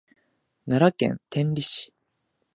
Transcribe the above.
奈良県天理市